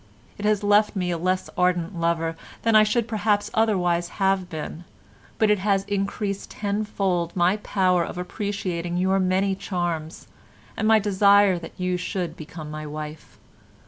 It has left me a less ardent lover than I should perhaps otherwise have been, but it has increased tenfold my power of appreciating your many charms and my desire that you should become my wife.